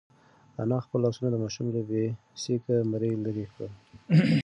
انا خپل لاسونه د ماشوم له بې سېکه مرۍ لرې کړل.